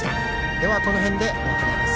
では、この辺でお別れです。